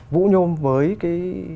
vụ nhôm với cái